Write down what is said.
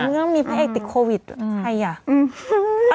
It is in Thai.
มีหรือมีพระเอกติดโควิดใครอ่ะ